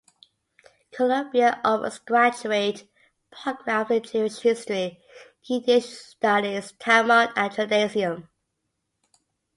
Columbia offers graduate programs in Jewish history, Yiddish studies, Talmud and Judaism.